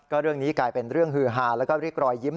เรื่องนี้กลายเป็นเรื่องฮือฮาแล้วก็เรียกรอยยิ้ม